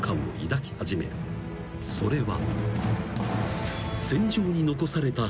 ［それは］